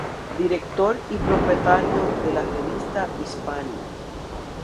Director y propietario de la revista "Hispania".